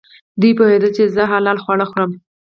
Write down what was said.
دوی پوهېدل چې زه حلال خواړه خورم.